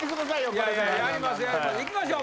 やりますやりますいきましょう